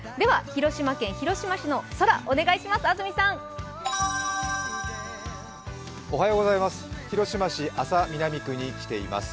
広島県広島市の空、お願いします。